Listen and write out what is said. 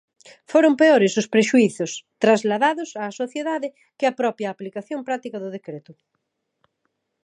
Foron peores os prexuízos trasladados á sociedade que a propia aplicación práctica do decreto?